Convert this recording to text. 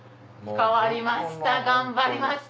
変わりました頑張りました。